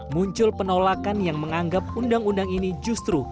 muncul penolakan yang menganggap undang undang ini justru